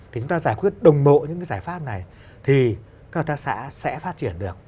thì chúng ta giải quyết đồng bộ những cái giải pháp này thì các hợp tác xã sẽ phát triển được